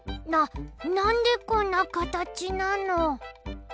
ななんでこんなかたちなの？